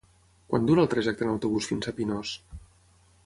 Quant dura el trajecte en autobús fins a Pinós?